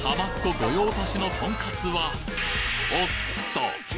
御用達のとんかつはおっと？